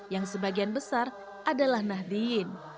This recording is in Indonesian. yang sebagian besar adalah nahdiyin